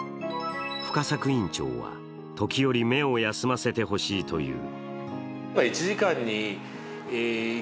深作院長は時折、目を休ませてほしいという。